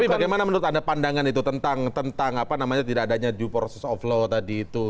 tapi bagaimana menurut anda pandangan itu tentang apa namanya tidak adanya due process of law tadi itu